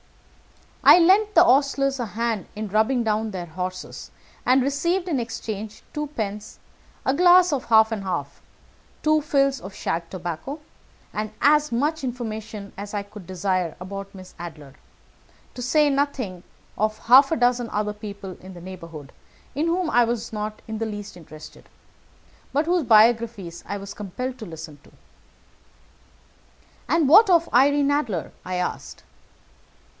I lent the hostlers a hand in rubbing down their horses, and I received in exchange two pence, a glass of half and half, two fills of shag tobacco, and as much information as I could desire about Miss Adler, to say nothing of half a dozen other people in the neighbourhood, in whom I was not in the least interested, but whose biographies I was compelled to listen to." "And what of Irene Adler?" I asked.